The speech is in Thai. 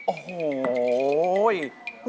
โอ้โห